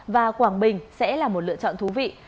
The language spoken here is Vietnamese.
và quảng bình sẽ là một lựa chọn thú vị